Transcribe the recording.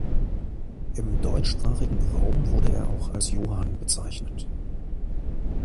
Im deutschsprachigen Raum wurde er auch als Johann bezeichnet.